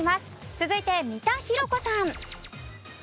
続いて三田寛子さん。